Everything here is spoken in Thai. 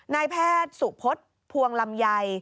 นายแพทย์สุพศพวงลำไย